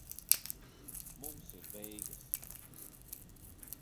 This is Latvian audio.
Mums ir beigas.